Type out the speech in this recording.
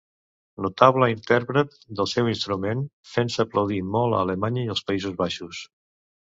Notable intèrpret del seu instrument, fent-se aplaudir molt a Alemanya i els Països Baixos.